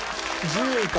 １０位か。